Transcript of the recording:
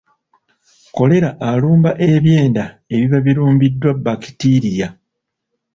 Kkolera alumba ebyenda ebiba birumbiddwa bbakitiriya.